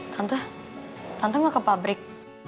tante tante enggak ke pabrik